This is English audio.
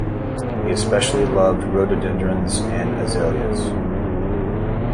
He especially loved rhododendrons and azaleas.